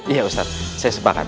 iya ustadz saya sepakat